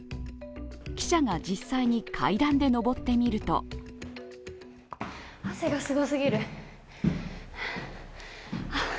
記者が実際に階段で上ってみると汗がすごすぎる。